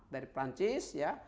dari perancis ya